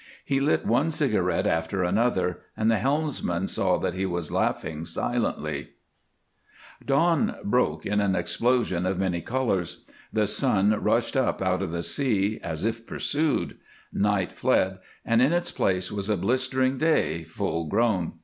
He lit one cigarette after another, and the helmsman saw that he was laughing silently. Dawn broke in an explosion of many colors. The sun rushed up out of the sea as if pursued; night fled, and in its place was a blistering day, full grown.